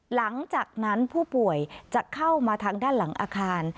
หลังจากนั้นผู้ป่วยจะเข้ามาทางด้านหลังอาคาร